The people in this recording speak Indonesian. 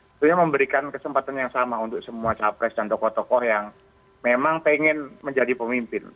tentunya memberikan kesempatan yang sama untuk semua capres dan tokoh tokoh yang memang pengen menjadi pemimpin